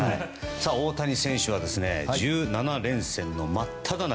大谷選手は１７連戦の真っただ中。